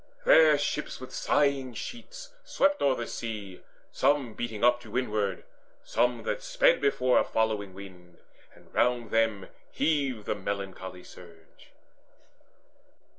There ships with sighing sheets swept o'er the sea, Some beating up to windward, some that sped Before a following wind, and round them heaved The melancholy surge.